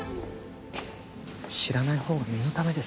知らないほうが身のためです。